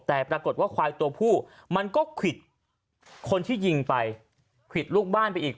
แต่ปรากฏว่าควายตัวผู้มันก็ควิดคนที่ยิงไปควิดลูกบ้านไปอีก